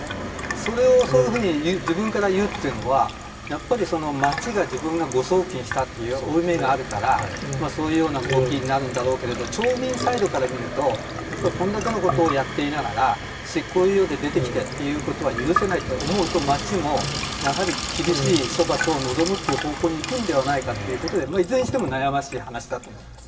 それをそう自分から言うのは町が自分が誤送金したという負い目があるからそういうような動きになるんだろうけども町民サイドから見るとこれだけのことをやっていながら執行猶予で出てきてということは許せないと思うと町もやはり厳しい処罰を望むという方向に行くのではないかということでいずれにしても悩ましい話だと思います。